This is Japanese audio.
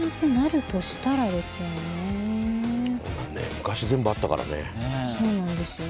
昔全部あったからね。